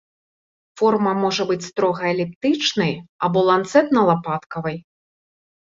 Форма можа быць строга эліптычнай або ланцэтна-лапаткавай.